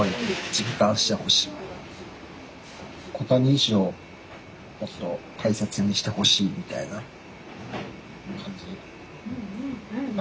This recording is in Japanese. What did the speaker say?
小谷石をもっと大切にしてほしいみたいな感じかな。